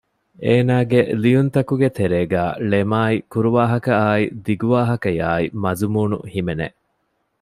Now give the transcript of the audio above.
އޭނާގެ ލިޔުންތަކުގެ ތެރޭގައި ޅެމާއި ކުރުވާހަކައާއި ދިގު ވާހަކަޔާއި މަޒުމޫނު ހިމެނެ